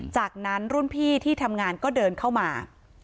จากนั้นรุ่นพี่ที่ทำงานก็เดินเข้ามา